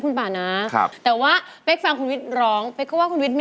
ใครนี้